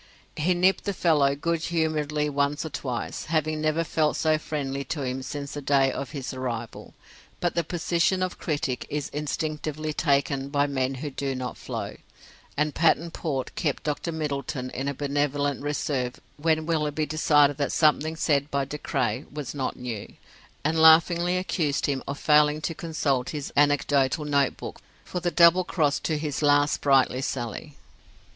He nipped the fellow good humouredly once or twice, having never felt so friendly to him since the day of his arrival; but the position of critic is instinctively taken by men who do not flow: and Patterne Port kept Dr Middleton in a benevolent reserve when Willoughby decided that something said by De Craye was not new, and laughingly accused him of failing to consult his anecdotal notebook for the double cross to his last sprightly sally.